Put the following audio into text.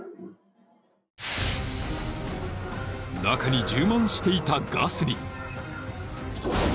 ［中に充満していたガスに］